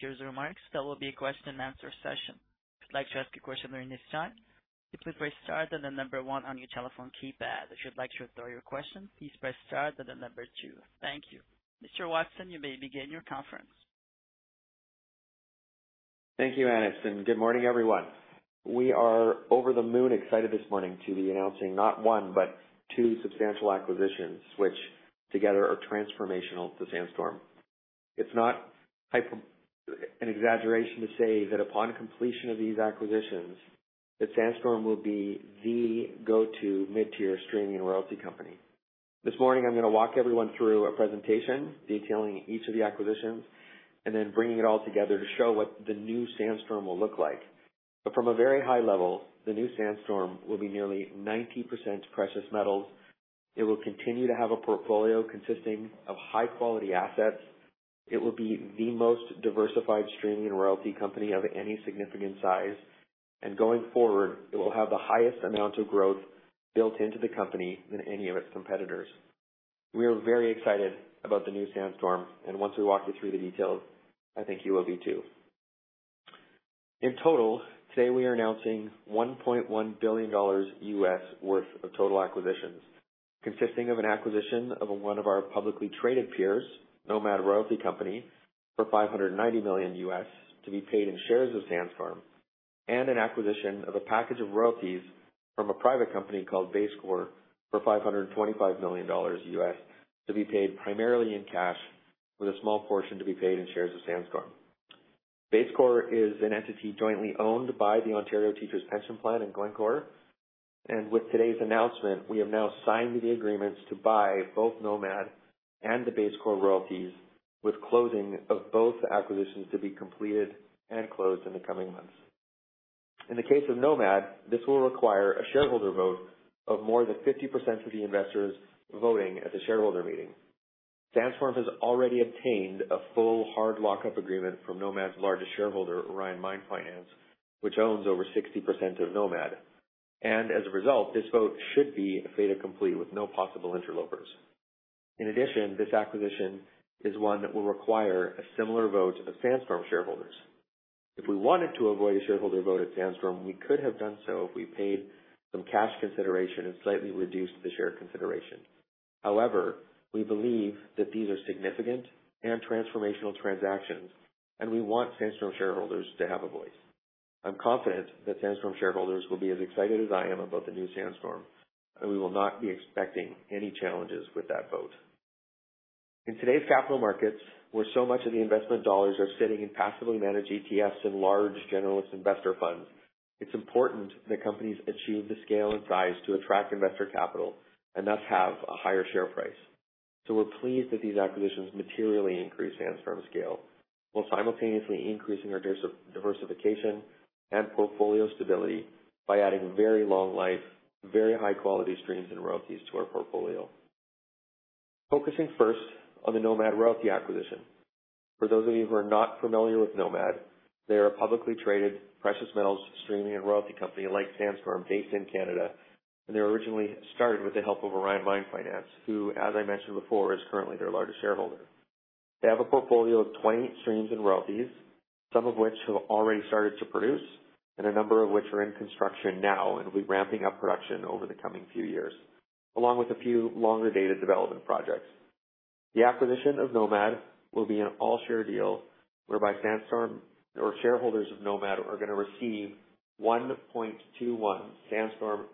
Here's the remarks. There will be a Question and Answer Session. If you'd like to ask a question during this time, please press star, then the number one on your telephone keypad. If you'd like to withdraw your question, please press star, then the number two. Thank you. Mr. Watson, you may begin your conference. Thank you, Aniston. Good morning, everyone. We are over the moon excited this morning to be announcing not one, but two substantial acquisitions, which together are transformational to Sandstorm. It's not an exaggeration to say that upon completion of these acquisitions, that Sandstorm will be the go-to mid-tier streaming royalty company. This morning, I'm gonna walk everyone through a presentation detailing each of the acquisitions and then bringing it all together to show what the new Sandstorm will look like. But from a very high level, the new Sandstorm will be nearly 90% precious metals. It will continue to have a portfolio consisting of high-quality assets. It will be the most diversified streaming and royalty company of any significant size. Going forward, it will have the highest amount of growth built into the company than any of its competitors. We are very excited about the new Sandstorm, and once we walk you through the details, I think you will be too. In total, today we are announcing $1.1 billion worth of total acquisitions, consisting of an acquisition of one of our publicly traded peers, Nomad Royalty Company, for $590 million, to be paid in shares of Sandstorm, and an acquisition of a package of royalties from a private company called BaseCore for $525 million, to be paid primarily in cash, with a small portion to be paid in shares of Sandstorm. BaseCore is an entity jointly owned by the Ontario Teachers' Pension Plan and Glencore. With today's announcement, we have now signed the agreements to buy both Nomad and the BaseCore royalties, with closing of both acquisitions to be completed and closed in the coming months. In the case of Nomad, this will require a shareholder vote of more than 50% of the investors voting at the shareholder meeting. Sandstorm has already obtained a full hard lock-up agreement from Nomad's largest shareholder, Orion Mine Finance, which owns over 60% of Nomad. As a result, this vote should be a fait accompli with no possible interlopers. In addition, this acquisition is one that will require a similar vote of Sandstorm shareholders. If we wanted to avoid a shareholder vote at Sandstorm, we could have done so if we paid some cash consideration and slightly reduced the share consideration. However, we believe that these are significant and transformational transactions, and we want Sandstorm shareholders to have a voice. I'm confident that Sandstorm shareholders will be as excited as I am about the new Sandstorm, and we will not be expecting any challenges with that vote. In today's capital markets, where so much of the investment dollars are sitting in passively managed ETFs and large generalist investor funds, it's important that companies achieve the scale and size to attract investor capital and thus have a higher share price. We're pleased that these acquisitions materially increase Sandstorm scale, while simultaneously increasing our diversification and portfolio stability by adding very long life, very high quality streams and royalties to our portfolio. Focusing first on the Nomad Royalty acquisition. For those of you who are not familiar with Nomad, they are a publicly traded precious metals streaming and royalty company like Sandstorm based in Canada. They were originally started with the help of Orion Mine Finance, who, as I mentioned before, is currently their largest shareholder. They have a portfolio of 20 streams and royalties, some of which have already started to produce and a number of which are in construction now and will be ramping up production over the coming few years, along with a few longer-dated development projects. The acquisition of Nomad will be an all-share deal whereby shareholders of Nomad are gonna receive 1.21 Sandstorm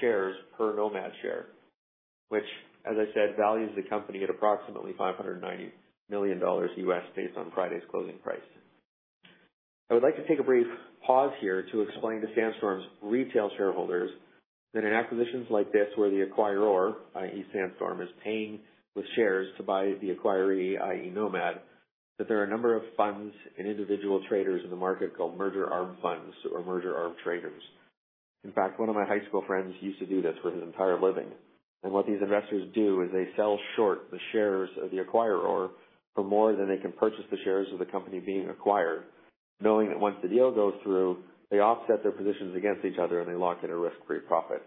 shares per Nomad share, which, as I said, values the company at approximately $590 million based on Friday's closing price. I would like to take a brief pause here to explain to Sandstorm's retail shareholders that in acquisitions like this where the acquirer, i.e. Sandstorm, is paying with shares to buy the acquiree, i.e. Nomad, that there are a number of funds and individual traders in the market called merger arb funds or merger arb traders. In fact, one of my high school friends used to do this for his entire living. What these investors do is they sell short the shares of the acquirer for more than they can purchase the shares of the company being acquired, knowing that once the deal goes through, they offset their positions against each other, and they lock in a risk-free profit.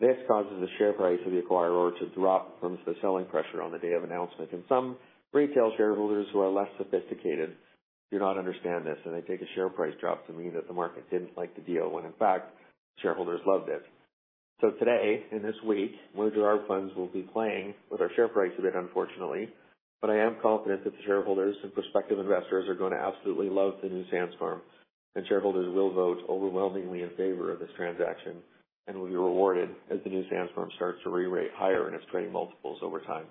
This causes the share price of the acquirer to drop from the selling pressure on the day of announcement. Some retail shareholders who are less sophisticated do not understand this, and they take a share price drop to mean that the market didn't like the deal, when in fact, shareholders loved it. Today, in this week, merger arb funds will be playing with our share price a bit, unfortunately, but I am confident that the shareholders and prospective investors are gonna absolutely love the new Sandstorm. Shareholders will vote overwhelmingly in favor of this transaction and will be rewarded as the new Sandstorm starts to rerate higher in its trading multiples over time.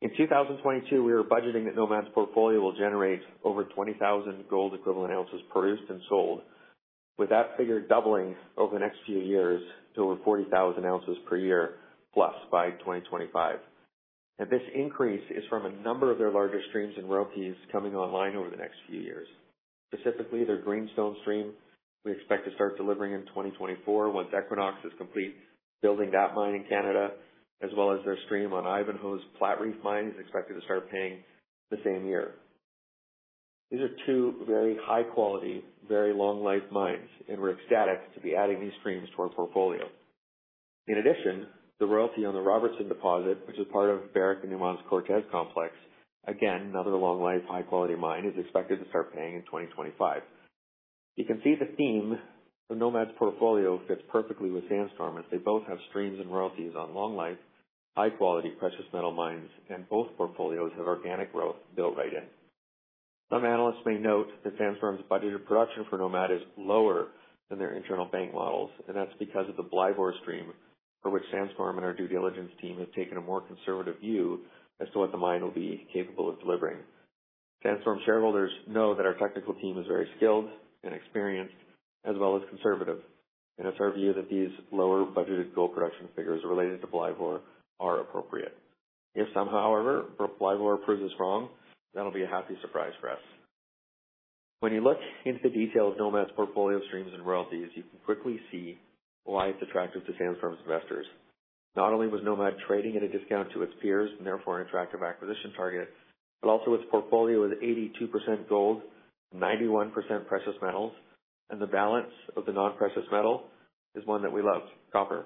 In 2022, we are budgeting that Nomad's portfolio will generate over 20,000 gold equivalent ounces produced and sold, with that figure doubling over the next few years to over 40,000 ounces per year plus by 2025. This increase is from a number of their larger streams and royalties coming online over the next few years. Specifically, their Greenstone stream, we expect to start delivering in 2024 once Equinox completes building that mine in Canada, as well as their stream on Ivanhoe's Platreef Mine is expected to start paying the same year. These are two very high-quality, very long-life mines, and we're ecstatic to be adding these streams to our portfolio. In addition, the royalty on the Robertson deposit, which is part of Barrick and Newmont's Cortez Complex, again, another long-life, high-quality mine, is expected to start paying in 2025. You can see the theme of Nomad's portfolio fits perfectly with Sandstorm, as they both have streams and royalties on long-life, high-quality precious metal mines, and both portfolios have organic growth built right in. Some analysts may note that Sandstorm's budgeted production for Nomad is lower than their internal bank models, and that's because of the Blyvoor stream, for which Sandstorm and our due diligence team have taken a more conservative view as to what the mine will be capable of delivering. Sandstorm shareholders know that our technical team is very skilled and experienced, as well as conservative, and it's our view that these lower budgeted gold production figures related to Blyvoor are appropriate. If somehow, however, Blyvoor proves us wrong, that'll be a happy surprise for us. When you look into the detail of Nomad's portfolio streams and royalties, you can quickly see why it's attractive to Sandstorm's investors. Not only was Nomad trading at a discount to its peers and therefore an attractive acquisition target, but also its portfolio is 82% gold, 91% precious metals, and the balance of the non-precious metal is one that we love, copper.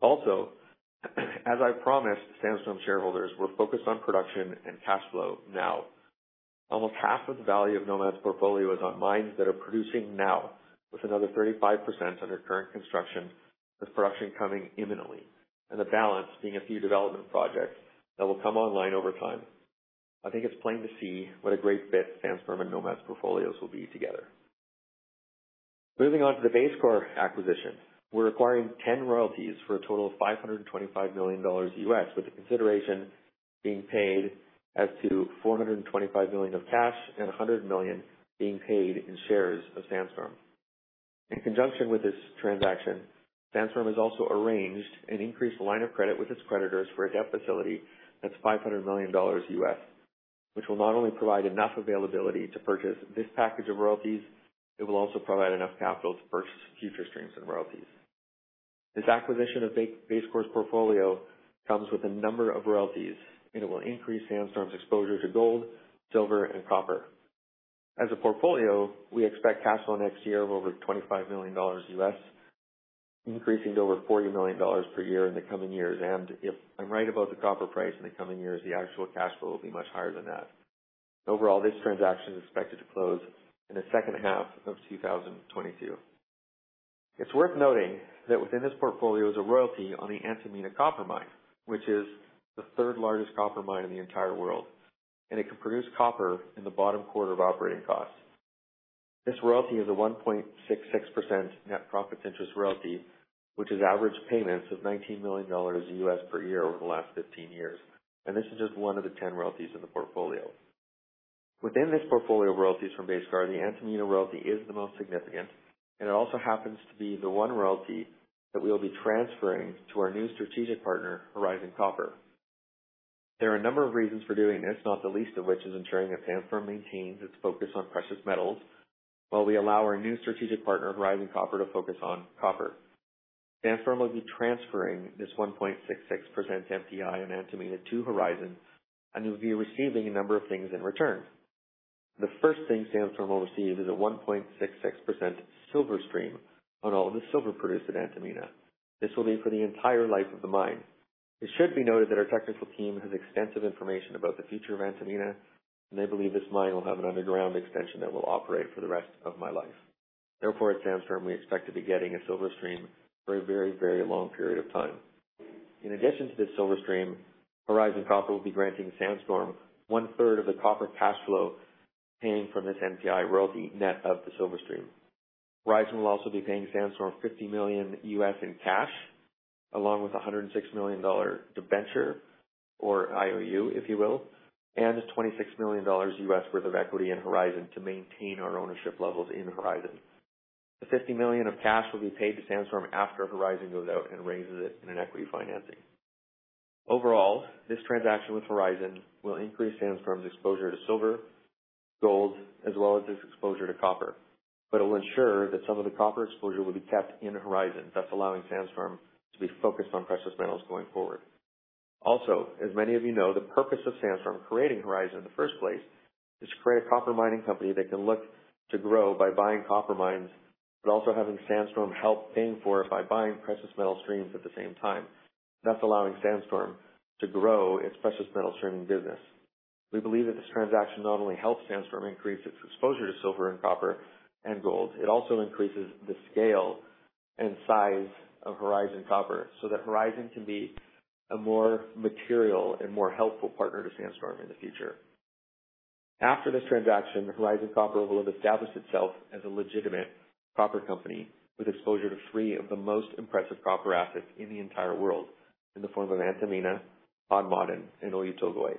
Also, as I promised Sandstorm shareholders, we're focused on production and cash flow now. Almost half of the value of Nomad's portfolio is on mines that are producing now, with another 35% under current construction, with production coming imminently, and the balance being a few development projects that will come online over time. I think it's plain to see what a great fit Sandstorm and Nomad's portfolios will be together. Moving on to the BaseCore acquisition. We're acquiring 10 royalties for a total of $525 million, with the consideration being paid as to $425 million of cash and $100 million being paid in shares of Sandstorm. In conjunction with this transaction, Sandstorm has also arranged an increased line of credit with its creditors for a debt facility that's $500 million, which will not only provide enough availability to purchase this package of royalties, it will also provide enough capital to purchase future streams and royalties. This acquisition of BaseCore's portfolio comes with a number of royalties, and it will increase Sandstorm's exposure to gold, silver, and copper. As a portfolio, we expect cash flow next year of over $25 million, increasing to over $40 million per year in the coming years. If I'm right about the copper price in the coming years, the actual cash flow will be much higher than that. Overall, this transaction is expected to close in the second half of 2022. It's worth noting that within this portfolio is a royalty on the Antamina copper mine, which is the third largest copper mine in the entire world. It can produce copper in the bottom quarter of operating costs. This royalty is a 1.66% net profits interest royalty, which has averaged payments of $19 million per year over the last 15 years, and this is just one of the 10 royalties in the portfolio. Within this portfolio of royalties from BaseCore, the Antamina royalty is the most significant, and it also happens to be the one royalty that we will be transferring to our new strategic partner, Horizon Copper. There are a number of reasons for doing this, not the least of which is ensuring that Sandstorm maintains its focus on precious metals while we allow our new strategic partner, Horizon Copper, to focus on copper. Sandstorm will be transferring this 1.66% NPI on Antamina to Horizon and will be receiving a number of things in return. The first thing Sandstorm will receive is a 1.66% silver stream on all of the silver produced at Antamina. This will be for the entire life of the mine. It should be noted that our technical team has extensive information about the future of Antamina, and they believe this mine will have an underground extension that will operate for the rest of my life. Therefore, at Sandstorm, we expect to be getting a silver stream for a very, very long period of time. In addition to this silver stream, Horizon Copper will be granting Sandstorm 1/3 of the copper cash flow paying from this NPI royalty net of the silver stream. Horizon will also be paying Sandstorm $50 million in cash, along with a $106 million debenture, or IOU, if you will, and $26 million worth of equity in Horizon to maintain our ownership levels in Horizon. The $50 million of cash will be paid to Sandstorm after Horizon goes out and raises it in an equity financing. Overall, this transaction with Horizon will increase Sandstorm's exposure to silver, gold, as well as its exposure to copper, but it will ensure that some of the copper exposure will be kept in Horizon, thus allowing Sandstorm to be focused on precious metals going forward. Also, as many of you know, the purpose of Sandstorm creating Horizon in the first place is to create a copper mining company that can look to grow by buying copper mines, but also having Sandstorm help paying for it by buying precious metal streams at the same time, thus allowing Sandstorm to grow its precious metal streaming business. We believe that this transaction not only helps Sandstorm increase its exposure to silver and copper and gold, it also increases the scale and size of Horizon Copper so that Horizon can be a more material and more helpful partner to Sandstorm in the future. After this transaction, Horizon Copper will have established itself as a legitimate copper company with exposure to three of the most impressive copper assets in the entire world in the form of Antamina, Udokan and Oyu Tolgoi.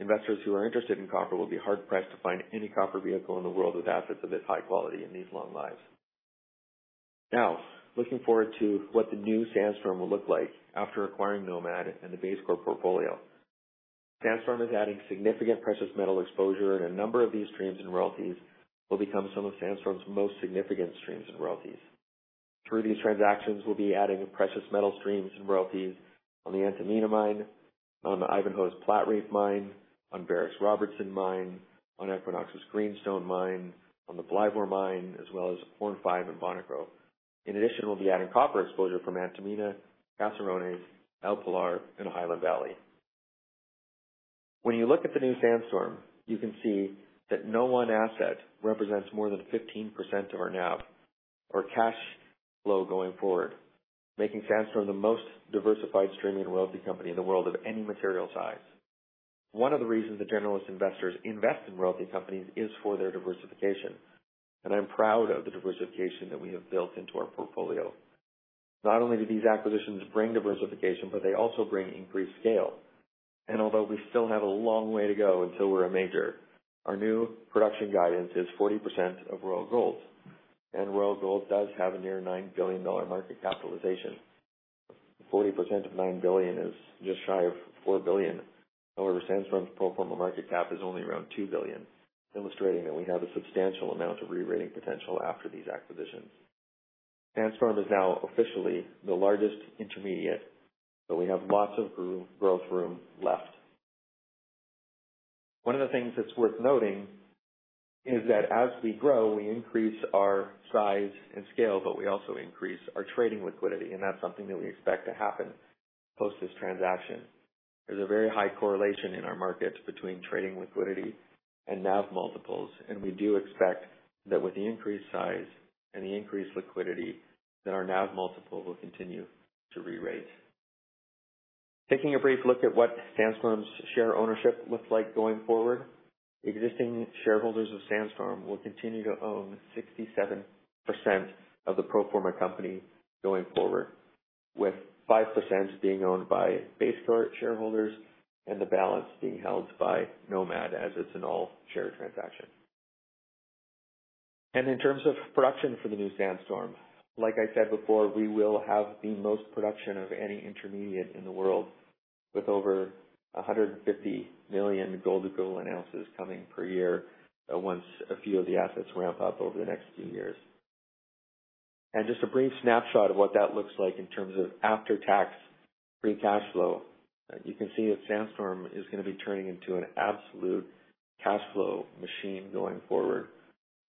Investors who are interested in copper will be hard-pressed to find any copper vehicle in the world with assets of this high quality and these long lives. Now, looking forward to what the new Sandstorm will look like after acquiring Nomad and the BaseCore portfolio. Sandstorm is adding significant precious metal exposure, and a number of these streams and royalties will become some of Sandstorm's most significant streams and royalties. Through these transactions, we'll be adding precious metal streams and royalties on the Antamina mine, on the Ivanhoe's Platreef Mine, on Barrick's Robertson Mine, on Equinox's Greenstone Mine, on the Blyvoor Mine, as well as Horne 5 and Bonikro. In addition, we'll be adding copper exposure from Antamina, Caserones, El Pilar, and Highland Valley. When you look at the new Sandstorm, you can see that no one asset represents more than 15% of our NAV or cash flow going forward, making Sandstorm the most diversified streaming royalty company in the world of any material size. One of the reasons the generalist investors invest in royalty companies is for their diversification, and I'm proud of the diversification that we have built into our portfolio. Not only do these acquisitions bring diversification, but they also bring increased scale. Although we still have a long way to go until we're a major, our new production guidance is 40% of Royal Gold. Royal Gold does have a near $9 billion market capitalization. 40% of $9 billion is just shy of $4 billion. However, Sandstorm's pro forma market cap is only around $2 billion, illustrating that we have a substantial amount of rerating potential after these acquisitions. Sandstorm is now officially the largest intermediate, so we have lots of room, growth room left. One of the things that's worth noting is that as we grow, we increase our size and scale, but we also increase our trading liquidity, and that's something that we expect to happen post this transaction. There's a very high correlation in our markets between trading liquidity and NAV multiples, and we do expect that with the increased size and the increased liquidity that our NAV multiple will continue to rerate. Taking a brief look at what Sandstorm's share ownership looks like going forward. Existing shareholders of Sandstorm will continue to own 67% of the pro forma company going forward, with 5% being owned by BaseCore shareholders and the balance being held by Nomad, as it's an all-share transaction. In terms of production for the new Sandstorm, like I said before, we will have the most production of any intermediate in the world, with over 150 million gold equivalent ounces coming per year, once a few of the assets ramp up over the next few years. Just a brief snapshot of what that looks like in terms of after-tax free cash flow. You can see that Sandstorm is gonna be turning into an absolute cash flow machine going forward,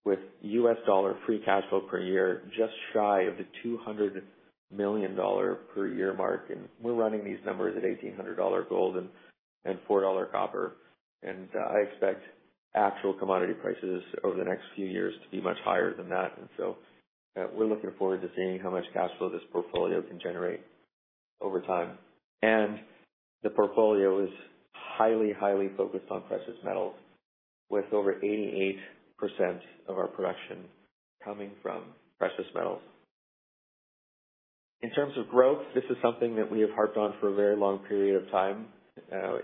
with U.S. dollar free cash flow per year just shy of the $200 million per year mark. We're running these numbers at $1,800 gold and $4 copper. I expect actual commodity prices over the next few years to be much higher than that. We're looking forward to seeing how much cash flow this portfolio can generate over time. The portfolio is highly focused on precious metals, with over 88% of our production coming from precious metals. In terms of growth, this is something that we have harped on for a very long period of time.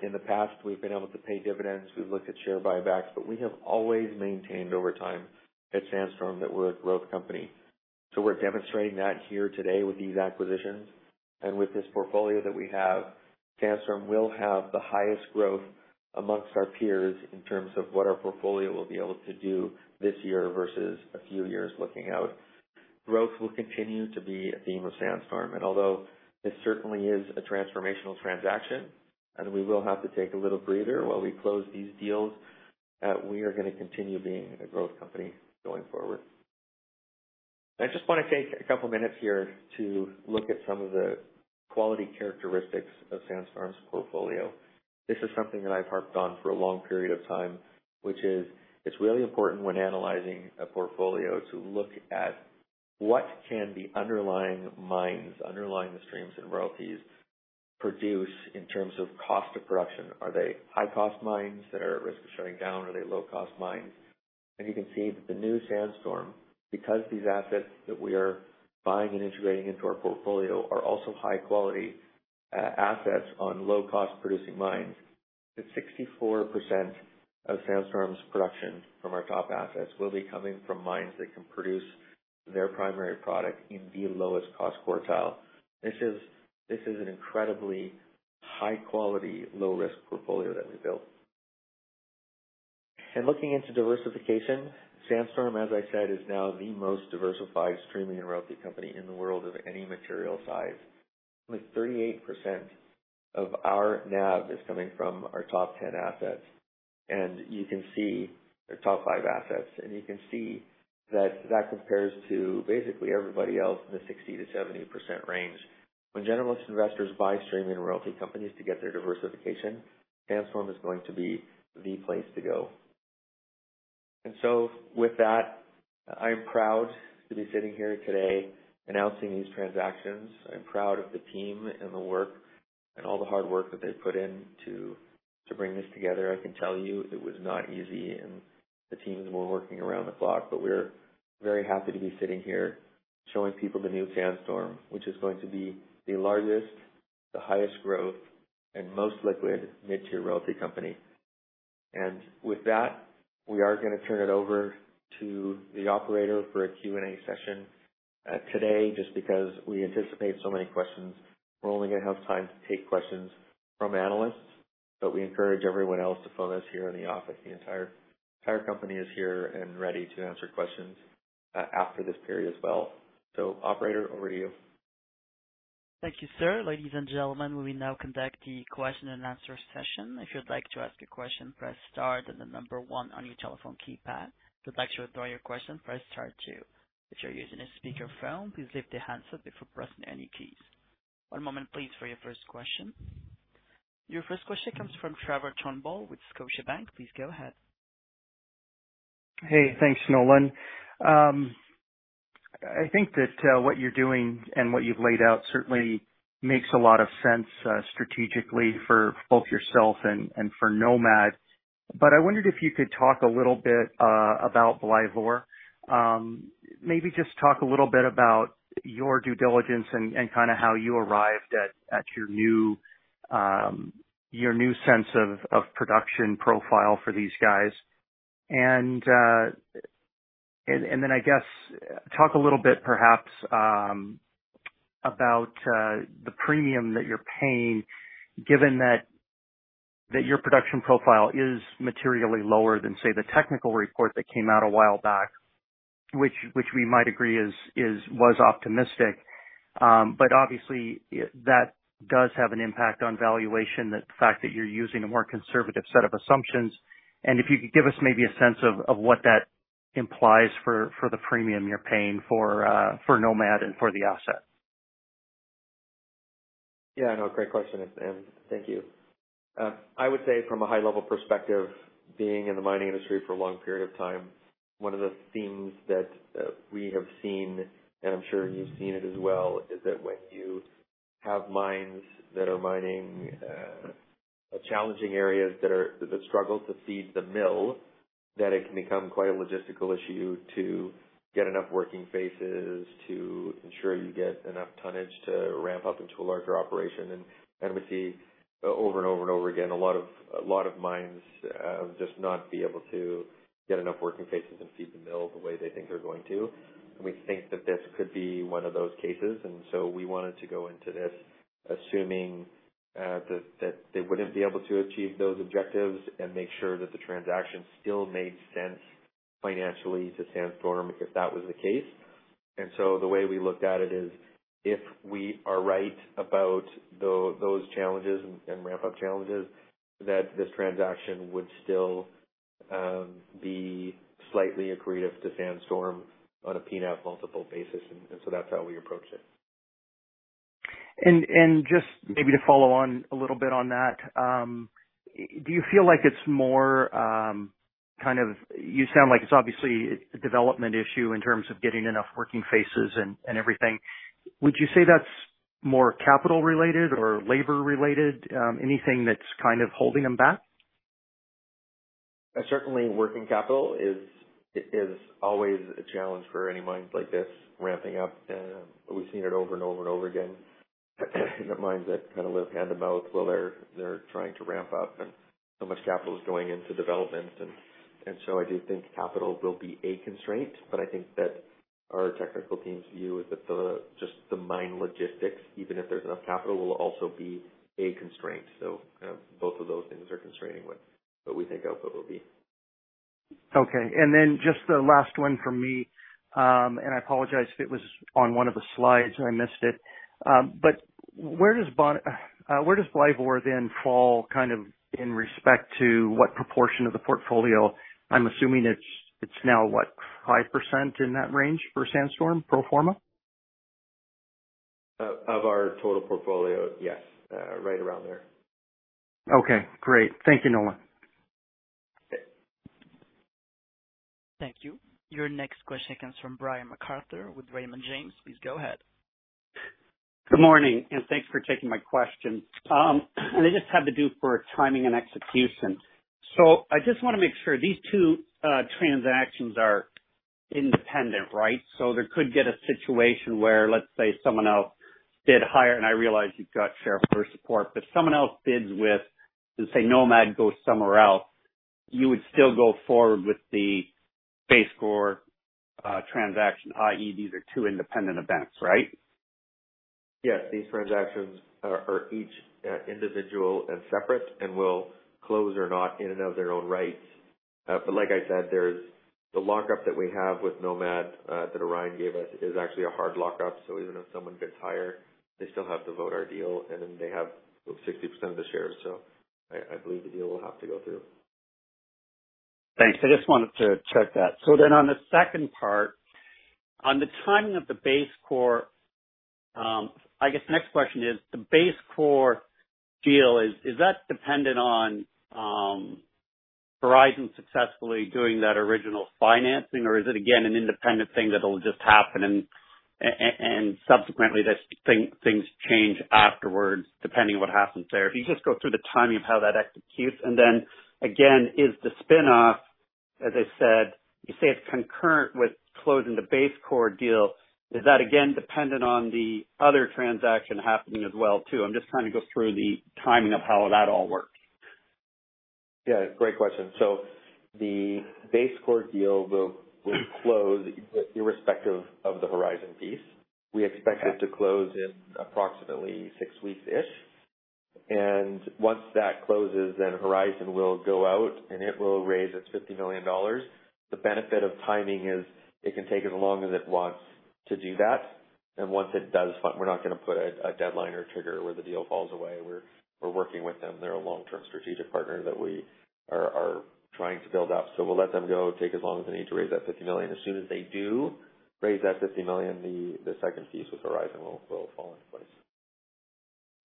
In the past, we've been able to pay dividends. We've looked at share buybacks, but we have always maintained over time at Sandstorm that we're a growth company. We're demonstrating that here today with these acquisitions. With this portfolio that we have, Sandstorm will have the highest growth among our peers in terms of what our portfolio will be able to do this year versus a few years looking out. Growth will continue to be a theme of Sandstorm, and although this certainly is a transformational transaction and we will have to take a little breather while we close these deals, we are gonna continue being a growth company going forward. I just wanna take a couple minutes here to look at some of the quality characteristics of Sandstorm's portfolio. This is something that I've harped on for a long period of time, which is it's really important when analyzing a portfolio to look at what can the underlying mines, underlying the streams and royalties produce in terms of cost of production. Are they high cost mines that are at risk of shutting down? Are they low cost mines? You can see that the new Sandstorm, because these assets that we are buying and integrating into our portfolio are also high quality assets on low cost producing mines, that 64% of Sandstorm's production from our top assets will be coming from mines that can produce their primary product in the lowest cost quartile. This is an incredibly high quality, low risk portfolio that we built. Looking into diversification, Sandstorm, as I said, is now the most diversified streaming and royalty company in the world of any material size. With 38% of our NAV is coming from our top ten assets, and you can see our top five assets, and you can see that compares to basically everybody else in the 60%-70% range. When generalist investors buy streaming royalty companies to get their diversification, Sandstorm is going to be the place to go. With that, I am proud to be sitting here today announcing these transactions. I'm proud of the team and the work and all the hard work that they've put in to bring this together. I can tell you it was not easy and the teams were working around the clock, but we're very happy to be sitting here showing people the new Sandstorm, which is going to be the largest, the highest growth, and most liquid mid-tier royalty company. With that, we are gonna turn it over to the operator for a Q&A session. Today, just because we anticipate so many questions, we're only gonna have time to take questions from analysts. We encourage everyone else to phone us here in the office. The entire company is here and ready to answer questions after this period as well. Operator, over to you. Thank you, sir. Ladies and gentlemen, we will now conduct the question and answer session. If you'd like to ask a question, press star then the number one on your telephone keypad. If you'd like to withdraw your question, press star two. If you're using a speaker phone, please lift the handset before pressing any keys. One moment please for your first question. Your first question comes from Trevor Turnbull with Scotiabank. Please go ahead. Hey, thanks, Nolan. I think that what you're doing and what you've laid out certainly makes a lot of sense, strategically for both yourself and for Nomad. I wondered if you could talk a little bit about Blyvoor. Maybe just talk a little bit about your due diligence and kind of how you arrived at your new sense of production profile for these guys. Then I guess talk a little bit perhaps about the premium that you're paying given that your production profile is materially lower than, say, the technical report that came out a while back, which we might agree was optimistic. Obviously that does have an impact on valuation, the fact that you're using a more conservative set of assumptions. If you could give us maybe a sense of what that implies for the premium you're paying for Nomad and for the asset. Yeah, no, great question, and thank you. I would say from a high level perspective, being in the mining industry for a long period of time, one of the themes that we have seen, and I'm sure you've seen it as well, is that when you have mines that are mining challenging areas that struggle to feed the mill, that it can become quite a logistical issue to get enough working faces to ensure you get enough tonnage to ramp up into a larger operation. We see over and over and over again a lot of mines just not be able to get enough working faces and feed the mill the way they think they're going to. We think that this could be one of those cases. We wanted to go into this assuming that they wouldn't be able to achieve those objectives and make sure that the transaction still made sense financially to Sandstorm if that was the case. The way we looked at it is if we are right about those challenges and ramp-up challenges, that this transaction would still be slightly accretive to Sandstorm on a P/NAV multiple basis. That's how we approach it. Just maybe to follow on a little bit on that, do you feel like it's more, kind of. You sound like it's obviously a development issue in terms of getting enough working faces and everything. Would you say that's more capital related or labor related? Anything that's kind of holding them back? Certainly working capital is always a challenge for any mines like this ramping up. We've seen it over and over and over again in the mines that kind of live hand-to-mouth while they're trying to ramp up, and so much capital is going into development. I do think capital will be a constraint, but I think that our technical team's view is that just the mine logistics, even if there's enough capital, will also be a constraint. Both of those things are constraining what we think output will be. Okay. Just the last one from me, and I apologize if it was on one of the slides and I missed it. Where does Blyvoor then fall kind of in respect to what proportion of the portfolio? I'm assuming it's now what, 5% in that range for Sandstorm pro forma? Of our total portfolio? Yes. Right around there. Okay, great. Thank you, Nolan. Okay. Thank you. Your next question comes from Brian MacArthur with Raymond James. Please go ahead. Good morning, and thanks for taking my question. It just had to do for timing and execution. I just want to make sure these two transactions are independent, right? There could get a situation where, let's say someone else bid higher, and I realize you've got shareholder support, but someone else bids with, let's say Nomad goes somewhere else, you would still go forward with the BaseCore transaction, i.e. these are two independent events, right? Yes. These transactions are each individual and separate and will close or not in and of their own rights. Like I said, there's the lockup that we have with Nomad that Orion gave us is actually a hard lockup. Even if someone bids higher, they still have to vote our deal. Then they have 60% of the shares. I believe the deal will have to go through. Thanks. I just wanted to check that. On the second part, on the timing of the BaseCore, I guess the next question is the BaseCore deal is that dependent on Horizon successfully doing that original financing, or is it again an independent thing that'll just happen and and subsequently things change afterwards depending on what happens there? If you just go through the timing of how that executes. Again, is the spin-off, as I said, you say it's concurrent with closing the BaseCore deal. Is that again dependent on the other transaction happening as well too? I'm just trying to go through the timing of how that all works. Yeah, great question. The BaseCore deal will close irrespective of the Horizon piece. We expect it to close in approximately SIX weeks-ish. Once that closes, Horizon will go out, and it will raise its $50 million. The benefit of timing is it can take as long as it wants to do that. Once it does, fine, we're not gonna put a deadline or trigger where the deal falls away. We're working with them. They're a long-term strategic partner that we are trying to build up. We'll let them go take as long as they need to raise that $50 million. As soon as they do raise that $50 million, the second piece with Horizon will fall in place.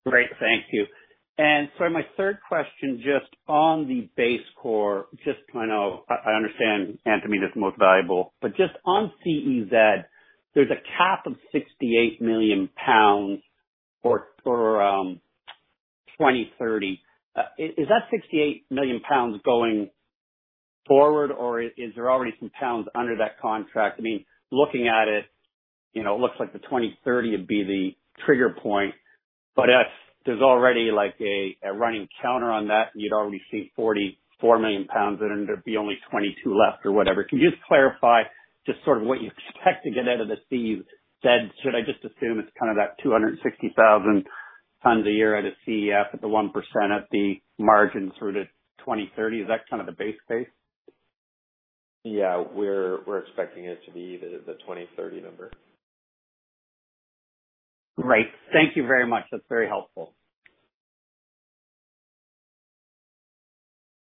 Great. Thank you. Sorry, my third question just on the BaseCore, just I know I understand Antamina is most valuable, but just on Caserones, there's a cap of 68 million pounds for 2030. Is that 68 million pounds going forward, or is there already some pounds under that contract? I mean, looking at it, you know, it looks like the 2030 would be the trigger point, but if there's already like a running counter on that, you'd already see 44 million pounds in it, and there'd be only 22 left or whatever. Can you just clarify just sort of what you expect to get out of the Caserones? Should I just assume it's kind of that 260,000 tons a year at a NSR at the 1% at the margin through to 2030? Is that kind of the base case? Yeah. We're expecting it to be the 2030 number. Great. Thank you very much. That's very helpful.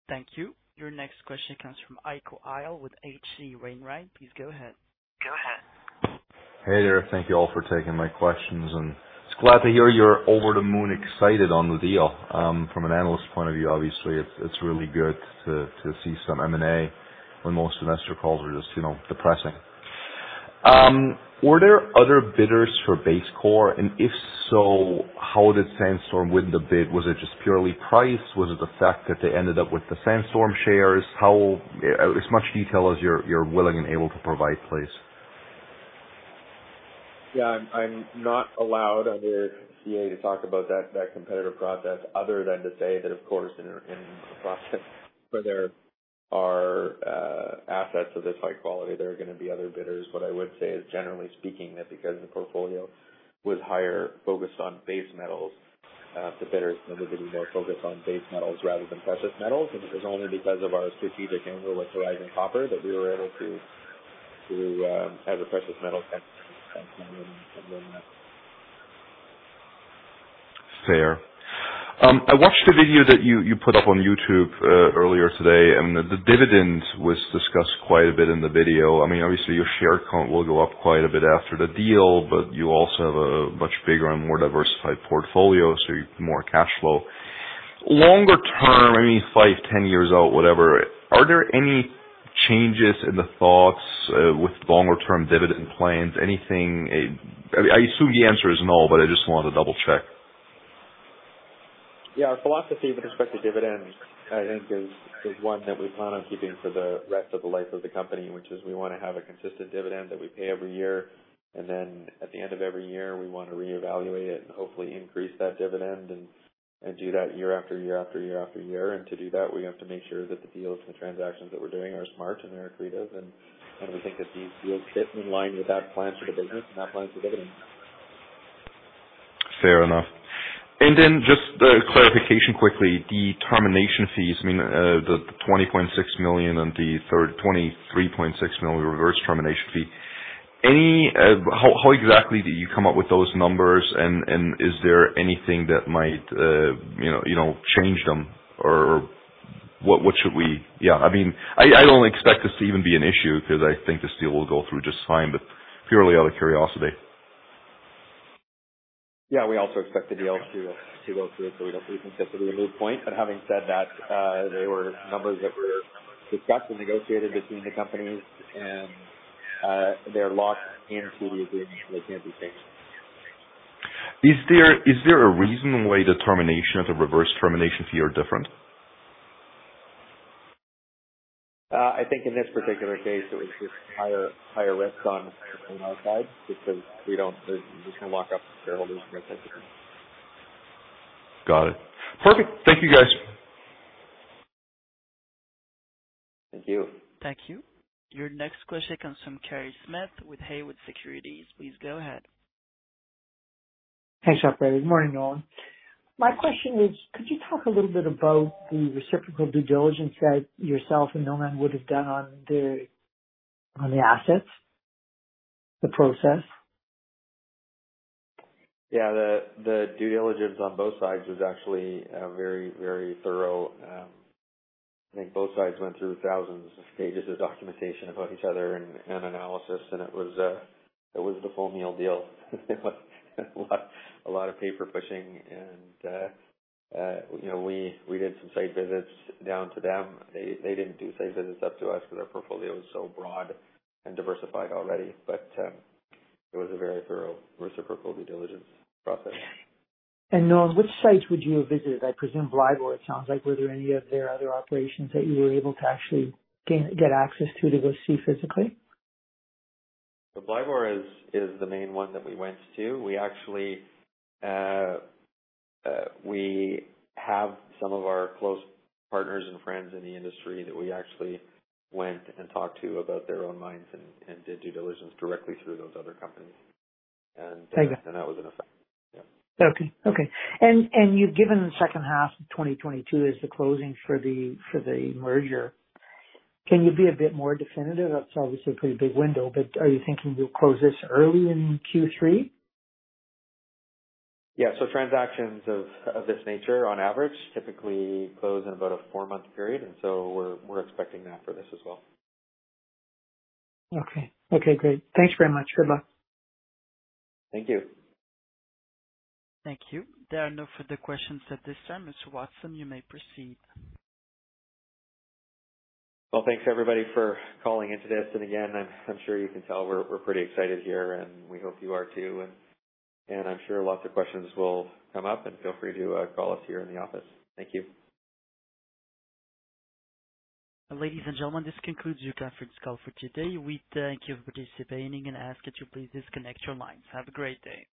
Thank you. Your next question comes from Heiko Ihle with H.C. Wainwright. Please go ahead. Go ahead. Hey there. Thank you all for taking my questions, and just glad to hear you're over-the-moon excited on the deal. From an analyst point of view, obviously, it's really good to see some M&A when most investor calls are just, you know, depressing. Were there other bidders for BaseCore? And if so, how did Sandstorm win the bid? Was it just purely price? Was it the fact that they ended up with the Sandstorm shares? As much detail as you're willing and able to provide, please. Yeah, I'm not allowed under NDA to talk about that competitive process other than to say that of course in a process where there are assets of this high quality, there are gonna be other bidders. What I would say is, generally speaking, that because the portfolio was highly focused on base metals, the bidders were gonna be more focused on base metals rather than precious metals. It was only because of our strategic angle with Horizon Copper that we were able to as a precious metal Fair. I watched the video that you put up on YouTube earlier today, and the dividend was discussed quite a bit in the video. I mean, obviously your share count will go up quite a bit after the deal, but you also have a much bigger and more diversified portfolio, so more cash flow. Longer term, maybe five, 10 years out, whatever, are there any changes in the thoughts with longer term dividend plans? Anything, I assume the answer is no, but I just want to double check. Yeah. Our philosophy with respect to dividends, I think is one that we plan on keeping for the rest of the life of the company, which is we wanna have a consistent dividend that we pay every year. Then at the end of every year, we want to reevaluate it and hopefully increase that dividend and do that year after year after year after year. To do that, we have to make sure that the deals and the transactions that we're doing are smart and they're accretive. We think that these deals fit in line with that plan for the business and that plan for dividend. Fair enough. Just a clarification quickly. The termination fees, I mean, the $20.6 million and the other $23.6 million reverse termination fee. How exactly do you come up with those numbers? And is there anything that might, you know, change them? Or what should we expect. I mean, I don't expect this to even be an issue because I think this deal will go through just fine, but purely out of curiosity. Yeah. We also expect the deal to go through, so we don't see a reason for it to be a moot point. Having said that, they were numbers that were discussed and negotiated between the companies, and they're locked in through the agreement, so they can't be changed. Is there a reason why the termination fee and the reverse termination fee are different? I think in this particular case, it was just higher risk on our side because we can walk away, shareholders, from a [inaudible] Got it. Perfect. Thank you, guys. Thank you. Thank you. Your next question comes from Kerry Smith with Haywood Securities. Please go ahead. Hey, Sean. Good morning, Nolan? My question is, could you talk a little bit about the reciprocal due diligence that yourself and Newmont would have done on the assets, the process? The due diligence on both sides was actually very thorough. I think both sides went through thousands of pages of documentation about each other and analysis, and it was the full meal deal. It was a lot of paper pushing and, you know, we did some site visits down to them. They didn't do site visits up to us because our portfolio is so broad and diversified already. It was a very thorough reciprocal due diligence process. Nolan, which sites would you have visited? I presume Blyvoor, it sounds like. Were there any of their other operations that you were able to actually get access to go see physically? The Blyvoor is the main one that we went to. We actually, we have some of our close partners and friends in the industry that we actually went and talked to about their own mines and did due diligence directly through those other companies. I got it. That was enough. Yeah. Okay. You've given the second half of 2022 as the closing for the merger. Can you be a bit more definitive? That's obviously a pretty big window, but are you thinking you'll close this early in Q3? Yeah. Transactions of this nature on average typically close in about a four-month period, and so we're expecting that for this as well. Okay. Okay, great. Thanks very much. Good luck. Thank you. Thank you. There are no further questions at this time. Mr. Watson, you may proceed. Well, thanks everybody for calling in today. Again, I'm sure you can tell we're pretty excited here, and we hope you are too. I'm sure lots of questions will come up and feel free to call us here in the office. Thank you. Ladies and gentlemen, this concludes your conference call for today. We thank you for participating and ask that you please disconnect your lines. Have a great day.